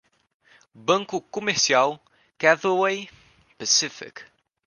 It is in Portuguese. Banco Comercial Cathay Pacific